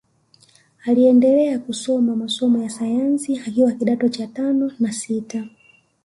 Aliendelea kusoma masomo ya sayansi akiwa kidato cha tano na sita